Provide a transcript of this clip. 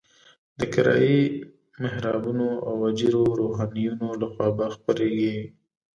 د کرایي محرابونو او اجیرو روحانیونو لخوا به خپرېږي.